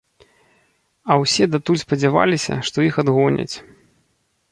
А ўсе датуль спадзяваліся, што іх адгоняць.